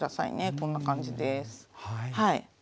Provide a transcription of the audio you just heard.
こんな感じです。